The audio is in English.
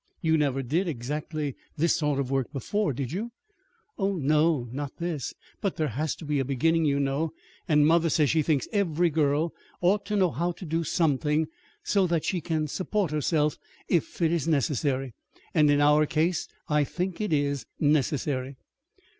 You never did exactly this sort of work before, did you?" "No oh, no. But there has to be a beginning, you know; and mother says she thinks every girl ought to know how to do something, so that she can support herself if it is necessary. And in our case I think it is necessary."